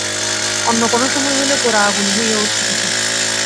অন্য কোনো সময় হইলে গোরা আগুন হইয়া উঠিত।